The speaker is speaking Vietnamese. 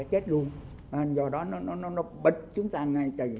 để không bỏ lỡ những video hấp dẫn